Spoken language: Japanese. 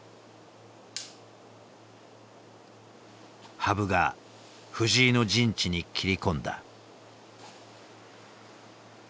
羽生が藤井の陣地に切り込んだ。